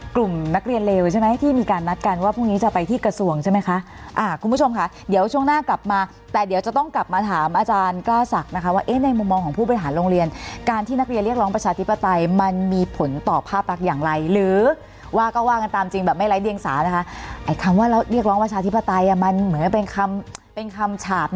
กลุ่มนักเรียนเร็วใช่ไหมที่มีการนัดการว่าพรุ่งนี้จะไปที่กระสวงใช่ไหมคะอ่าคุณผู้ชมค่ะเดี๋ยวช่วงหน้ากลับมาแต่เดี๋ยวจะต้องกลับมาถามอาจารย์กล้าศักดิ์นะคะว่าเอ๊ะในมุมมองของผู้บริษัทโรงเรียนการที่นักเรียนเรียกร้องประชาธิปไตยมันมีผลต่อภาพลักษณ์อย่างไรหรือว่าก็ว่ากันตาม